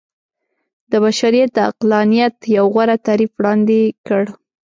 د بشريت د عقلانيت يو غوره تعريف وړاندې کړ.